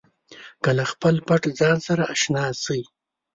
که له خپل پټ ځان سره اشنا شئ.